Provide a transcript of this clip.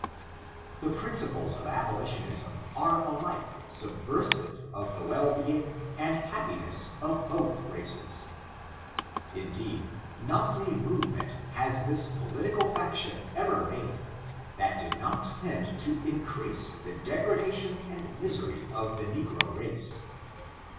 The principles of abolitionism are alike subversive of the well being and happiness of both races. In deed, not a movement has this political faction ever made, that did not tend to increase the degradation and misery of the negro race.